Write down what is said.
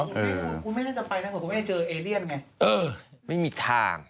ว่าต้องไปวิธีของเค้าเนอะโอ้ไม่มีทาง